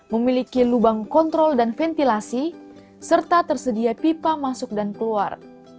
memiliki lubang kontrol dan ventilasi serta tersedia pipa masuk dan keluar